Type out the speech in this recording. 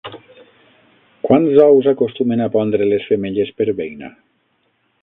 Quants ous acostumen a pondre les femelles per beina?